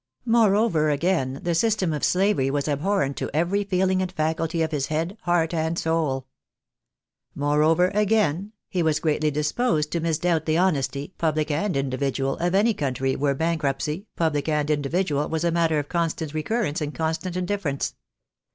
Moreover, again, the system of slavery was abhorrent to every feeling and faculty of his head, heart, and soul. Moreover, again, he was greatly disposed to misdoubt the honesty — public and individual — of any country where bank ruptcy^ — public and individual — ^was a matter of constant recurrence and constant indifference.